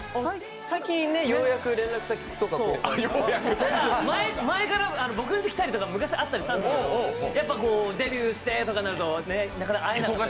最近ようやく連絡先を前からぼくんち来たりとか昔からあったんですけどやっぱデビューしてとかなるとなかなか会えなくて。